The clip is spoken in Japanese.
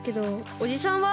おじさんは？